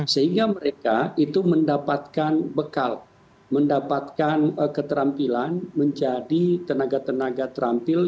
sehingga mereka itu mendapatkan bekal mendapatkan keterampilan menjadi tenaga tenaga terampil